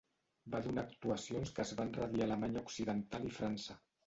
Va donar actuacions que es van radiar a Alemanya Occidental i França.